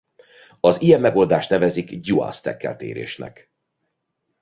Az ilyen megoldást nevezik dual-stack elérésnek.